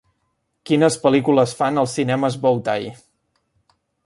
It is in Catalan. quines pel·lícules fan als cinemes Bow Tie